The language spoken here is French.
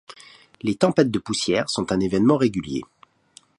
Les tempêtes de poussière sont un événement régulier.